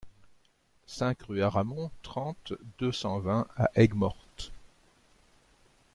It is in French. cinq rue Aramon, trente, deux cent vingt à Aigues-Mortes